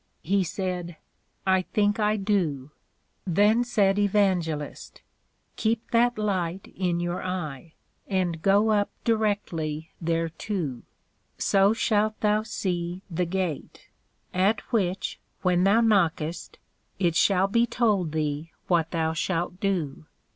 He said, I think I do. then said Evangelist, Keep that Light in your eye, and go up directly thereto: so shalt thou see the Gate; at which, when thou knockest, it shall be told thee what thou shalt do.